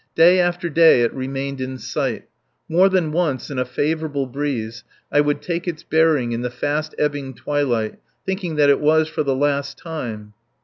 Day after day it remained in sight. More than once, in a favourable breeze, I would take its bearings in the fast ebbing twilight, thinking that it was for the last time.